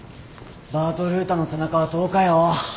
バート・ルータンの背中は遠かよ。